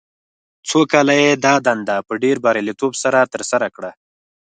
څو کاله یې دا دنده په ډېر بریالیتوب سره ترسره کړه.